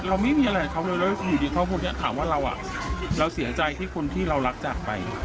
เราไม่มีอะไรกับเขาเลยอยู่ดีเข้าบนถามว่าเราเสียใจที่คนที่เรารักจากไป